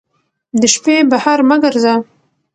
د شپې بهر مه ګرځه